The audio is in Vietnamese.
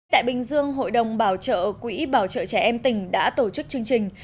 tại bình dương hội đồng bảo trợ quỹ bảo trợ trẻ em tỉnh đã tổ chức chương trình